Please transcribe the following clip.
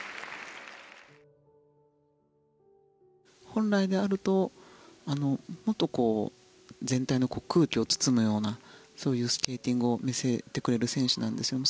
本来であるともっと全体の空気を包むようなそういうスケーティングを見せてくれる選手なんですよね。